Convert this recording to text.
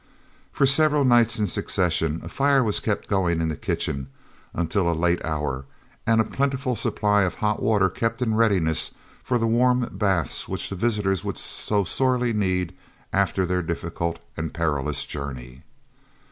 For several nights in succession a fire was kept going in the kitchen until a late hour, and a plentiful supply of hot water kept in readiness for the warm baths which the visitors would so sorely need after their difficult and perilous journey.